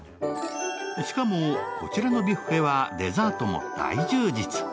しかも、こちらのビュッフェはデザートも大充実。